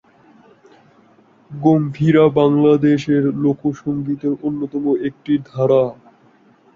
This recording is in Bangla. গম্ভীরা বাংলাদেশের লোকসঙ্গীতের অন্যতম একটি ধারা।